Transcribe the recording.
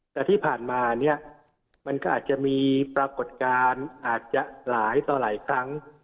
แต่ที่ผ่านมาเนี่ยมันก็อาจจะมีปรากฏการณ์อาจจะหลายต่อหลายครั้ง